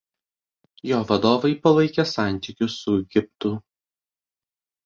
Jo valdovai palaikė santykius su Egiptu.